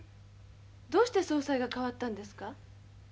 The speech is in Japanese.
どうして総裁が代わったんですか？